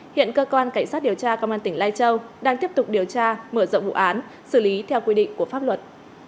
hiện cơ quan cảnh sát điều tra công an tỉnh lai châu đang tiếp tục điều tra mở rộng vụ án xử lý theo quy định của pháp luật